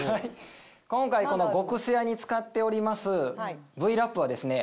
今回この極すやに使っておりますＶ−Ｌａｐはですね